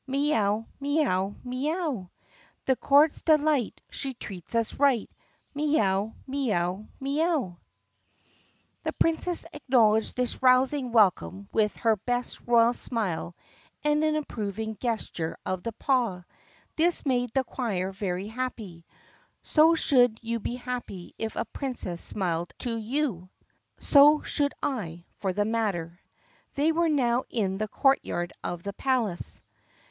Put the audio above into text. Mee ow! Mee ow! Mee ow! The court *s delight! She treats us right! Mee ow! Mee ow! Mee ow !" THE PUSSYCAT PRINCESS 63 The Princess acknowledged this rousing welcome with her best royal smile and an approving gesture of the paw. This made the choir very happy. So should you be happy if a Prin cess smiled to you. So should I, for that matter. They were now in the courtyard of the palace.